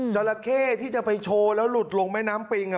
จราเข้ที่จะไปโชว์แล้วหลุดลงแม่น้ำปิง